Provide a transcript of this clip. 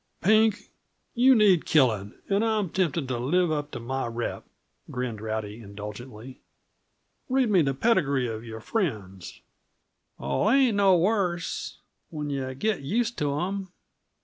"Pink, you need killing, and I'm tempted to live up to my rep," grinned Rowdy indulgently. "Read me the pedigree of your friends." "Oh, they ain't no worse when yuh git used to 'em.